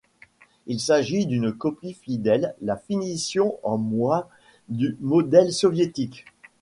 Il s'agit d'une copie fidèle, la finition en moins, du modèle soviétique.